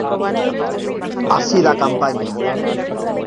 Hasi da kanpaina.